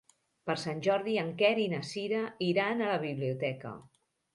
Per Sant Jordi en Quer i na Cira iran a la biblioteca.